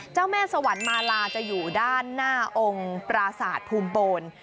เจ้าแม่สวรรค์มาลาจะอยู่ด้านหน้าองค์ปราศาสตร์ภูมิโปน